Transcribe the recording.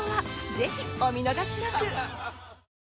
ぜひお見逃しなく！